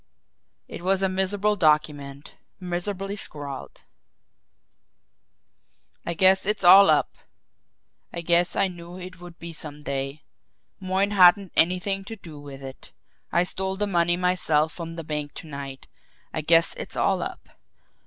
It was a miserable document, miserably scrawled: "I guess it's all up. I guess I knew it would be some day. Moyne hadn't anything to do with it. I stole the money myself from the bank to night. I guess it's all up.